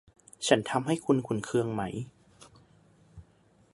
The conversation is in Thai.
ฉันทำให้คุณขุ่นเคืองไหม